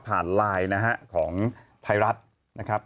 ผ่านไลน์ของไทยรัฐนะครับ